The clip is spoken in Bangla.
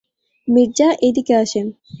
মির্জা, এইদিকে আসেন।